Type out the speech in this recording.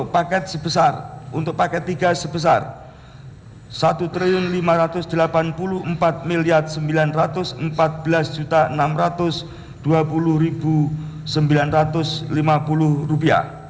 paket sebesar untuk paket tiga sebesar rp satu lima ratus delapan puluh empat sembilan ratus empat belas enam ratus dua puluh sembilan ratus lima puluh